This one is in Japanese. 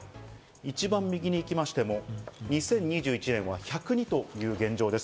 一番右に行きましても、２０２１年は１０２という現状です。